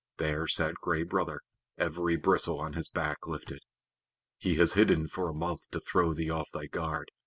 There sat Gray Brother, every bristle on his back lifted. "He has hidden for a month to throw thee off thy guard.